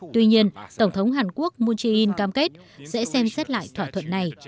tuy nhiên tổng thống hàn quốc moon jae in cam kết sẽ xem xét lại thỏa thuận này